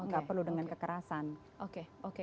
nggak perlu dengan kekerasan oke oke